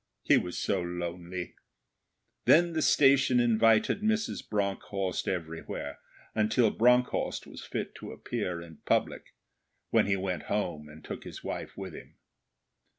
He was so lonely. Then the station invited Mrs. Bronckhorst everywhere, until Bronckhorst was fit to appear in public, when he went Home and took his wife with him.